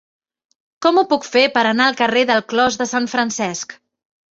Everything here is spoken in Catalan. Com ho puc fer per anar al carrer del Clos de Sant Francesc?